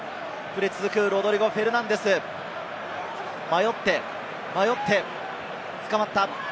ロドリゴ・フェルナンデス、迷って、迷って、捕まった。